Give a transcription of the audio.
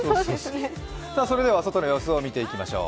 それでは外の様子を見ていきましょう。